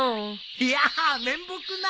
いやあ面目ない。